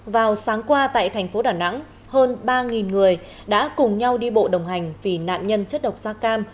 vào sáng qua tại thành phố đà nẵng hơn ba người đã cùng nhau đi bộ đồng hành vì nạn nhân chất độc da cam